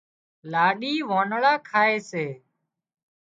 لاڏي وانۯا کائي سي